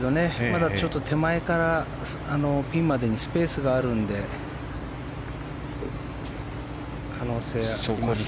まだちょっと手前からピンまでにスペースがあるので可能性はあります。